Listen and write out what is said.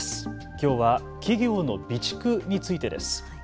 きょうは企業の備蓄についてです。